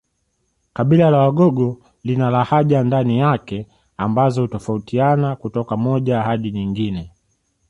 Kabila la Wagogo lina lahaja ndani yake ambazo hutofautiana kutoka moja hadi nyingine